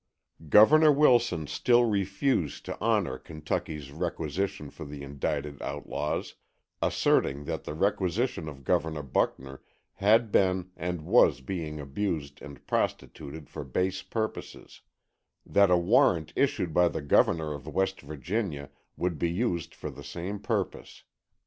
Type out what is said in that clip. BUCKNER. Governor Wilson still refused to honor Kentucky's requisition for the indicted outlaws, asserting that the requisition of Governor Buckner had been and was being abused and prostituted for base purposes; that a warrant issued by the Governor of West Virginia would be used for the same purpose.